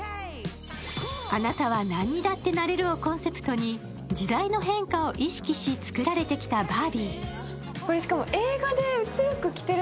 あなたは何にだってなれるをコンセプトに時代の変化を意識し作られてきたバービー。